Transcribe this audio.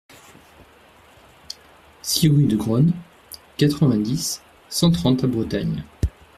six rue de Grone, quatre-vingt-dix, cent trente à Bretagne